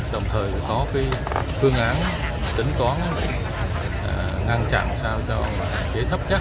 đồng thời có phương án tính toán để ngăn chặn sao cho hạn chế thấp nhất